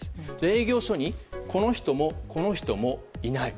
営業所にこの人もこの人もいない。